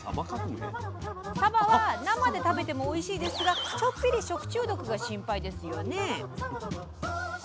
サバは生で食べてもおいしいですがちょっぴり食中毒が心配ですよね。